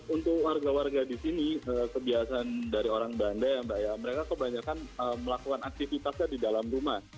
untuk warga warga di sini kebiasaan dari orang belanda ya mbak ya mereka kebanyakan melakukan aktivitasnya di dalam rumah